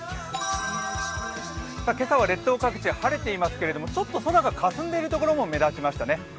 今朝は列島各地晴れていますけどちょっと空がかすんでいるところも目立ちましたね。